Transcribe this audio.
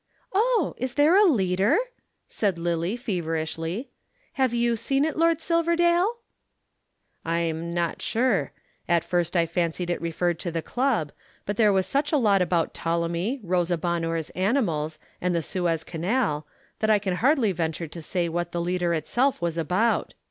"Oh, is there a leader?" said Lillie feverishly. "Have you seen it, Lord Silverdale?" "I am not sure. At first I fancied it referred to the Club, but there was such a lot about Ptolemy, Rosa Bonheur's animals and the Suez Canal that I can hardly venture to say what the leader itself was about.